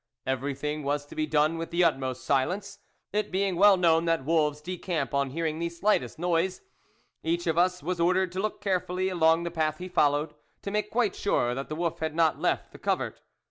Everything was to be done with the utmost silence, it being well known that wolves decamp on hearing the slightest noise. Each of us was ordered to look carefully along the path he followed, to make quite sure that the wolf had not left the covert.